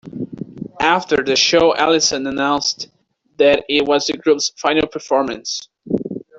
After the show Allison announced that it was the group's final performance.